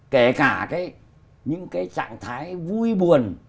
kể cả cái những cái trạng thái vui buồn